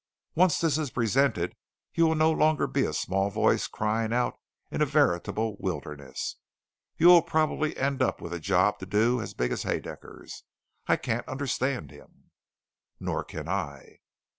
"Once this is presented, you will no longer be a small voice crying out in a veritable wilderness. You will probably end up with a job to do as big as Haedaecker's. I can't understand him." "Nor can I."